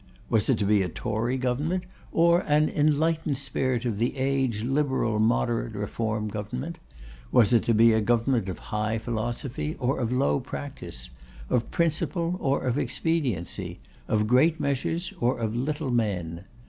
Was it to be a Tory government, or an Enlightened Spirit of the Age Liberal Moderate Reform government; was it to be a government of high philosophy or of low practice; of principle or of expediency; of great measures or of little men?